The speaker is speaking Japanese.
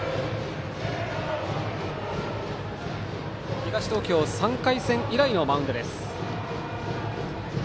東東京３回戦以来のマウンド直井。